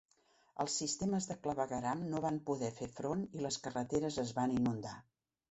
Els sistemes de clavegueram no van poder fer front i les carreteres es van inundar.